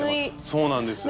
そうなんです。